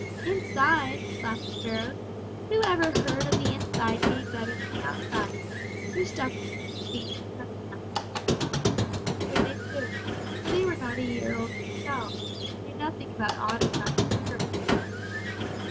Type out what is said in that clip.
"'Inside!' laughed the sparrows; 'who ever heard of the inside being better than the outside? You're stuffed with conceit, but nothing else.' "And away they flew, for they were not a year old themselves, and knew nothing about autumn nuts and berries.